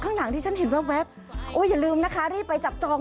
ข้างหลังที่ฉันเห็นแว๊บโอ้ยอย่าลืมนะคะรีบไปจับจอง